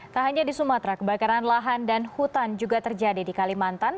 tak hanya di sumatera kebakaran lahan dan hutan juga terjadi di kalimantan